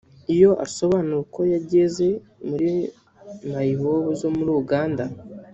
Iyo asobanura uko yageze muri mayibobo zo muri Uganda